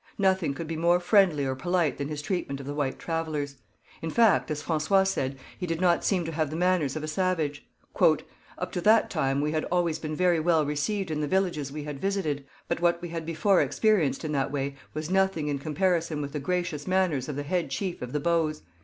Nothing could be more friendly or polite than his treatment of the white travellers. In fact, as François said, he did not seem to have the manners of a savage. 'Up to that time we had always been very well received in the villages we had visited, but what we had before experienced in that way was nothing in comparison with the gracious manners of the head chief of the Bows.